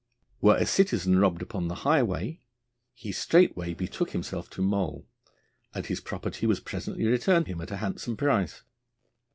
Were a citizen robbed upon the highway, he straightway betook himself to Moll, and his property was presently returned him at a handsome price.